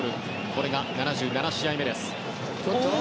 これが７７試合目です。